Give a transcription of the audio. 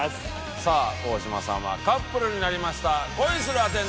さあ大島さんはカップルになりました。